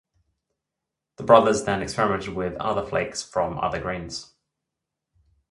The brothers then experimented with other flakes from other grains.